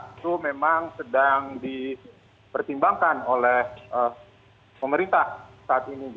itu memang sedang dipertimbangkan oleh pemerintah saat ini